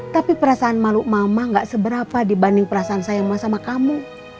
tapi perasaan malu mama tidak seberapa dibanding perasaan sayang sama kamu